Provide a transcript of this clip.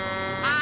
あ！